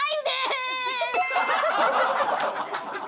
ハハハハ！